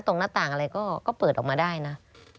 ตรงหน้าต่างอะไรก็เปิดออกมาได้นะ